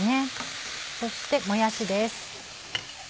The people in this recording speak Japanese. そしてもやしです。